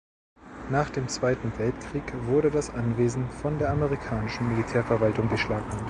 Nach dem Zweiten Weltkrieg wurde das Anwesen von der amerikanischen Militärverwaltung beschlagnahmt.